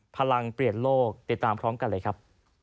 เปลี่ยนโลกติดตามพร้อมกันเลยครับ